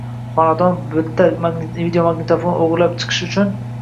Xonadondan bitta videomagnitofon o‘g‘irlab chiqish uchun...